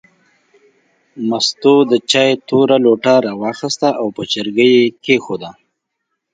مستو د چای توره لوټه راواخیسته او په چرګۍ یې کېښوده.